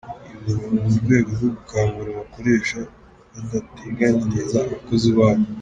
Ibi ngo ni mu rwego rwo gukangura abakoresha badateganyiriza abakozi babo.